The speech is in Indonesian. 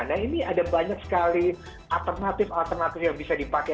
nah ini ada banyak sekali alternatif alternatif yang bisa dipakai